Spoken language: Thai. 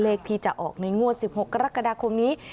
เลขที่จะออกในงวด๑๖กรกฎาคมนี้